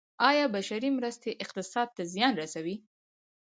آیا بشري مرستې اقتصاد ته زیان رسوي؟